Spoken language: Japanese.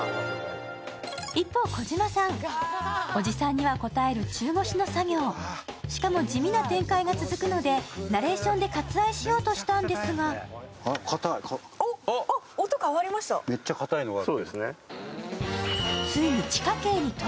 一方、児嶋さん、おじさんにはこたえる、中腰の作業しかも地味な展開が続くのでナレーションで割愛しようとしたんですが結局、ビビって代打を起用。